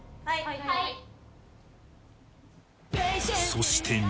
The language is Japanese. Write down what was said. そして